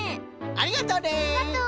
ありがとう！